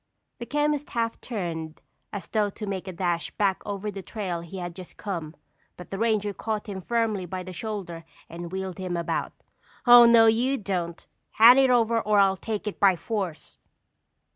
The chemist half turned as though to make a dash back over the trail he had just come, but the ranger caught him firmly by the shoulder and wheeled him about. "Oh, no you don't! Hand it over or I'll take it by force."